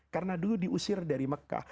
karena dulu diusir dari mekah